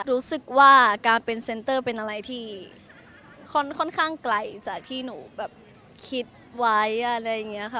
รู้สึกว่าการเป็นเซ็นเตอร์เป็นอะไรที่ค่อนข้างไกลจากที่หนูแบบคิดไว้อะไรอย่างนี้ค่ะ